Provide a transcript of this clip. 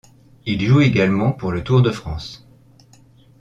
Il joue également pour le Tour de France.